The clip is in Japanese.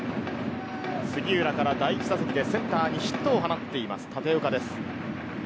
杉浦から第１打席でセンターにヒットを放っています、立岡です。